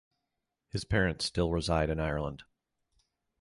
His parents still reside in Ireland.